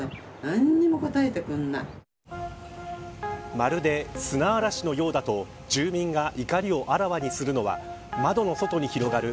まるで、砂嵐のようだと住民が怒りをあらわにするのは窓の外に広がる